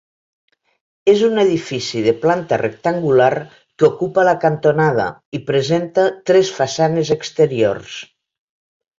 És un edifici de planta rectangular que ocupa la cantonada i presenta tres façanes exteriors.